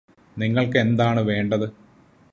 നിങ്ങൾക്കെന്താണ് വേണ്ടത്